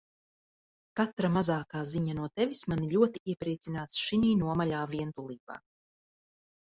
Katra mazākā ziņa no Tevis mani ļoti iepriecinās šinī nomaļā vientulībā.